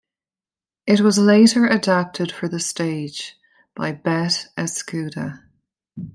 It was later adapted for the stage by Beth Escuda.